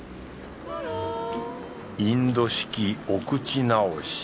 インド式お口直し。